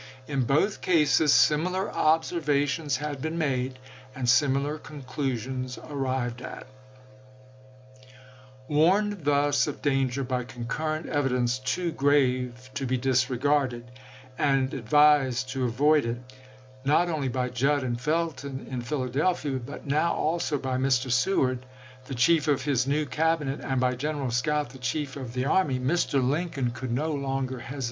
1 In both cases similar observations had been made, and similar conclusions arrived at. Warned thus of danger by concurrent evidence too grave to be disregarded, and advised to avoid it, not only by Judd and Felton in Philadelphia, but now also by Mr. Seward, the chief of his new Cabinet, and by General Scott, the chief of the army, Mr. Lincoln could no longer hesitate to 1 See in Lossing, " Civil War," Vol.